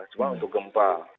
cuma untuk gempa